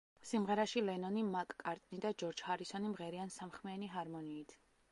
სიმღერაში ლენონი, მაკ-კარტნი და ჯორჯ ჰარისონი მღერიან სამხმიანი ჰარმონიით.